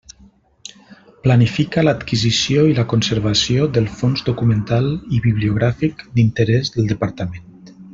Planifica l'adquisició i la conservació del fons documental i bibliogràfic d'interès del Departament.